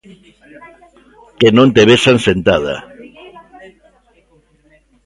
Que non te vexan sentada!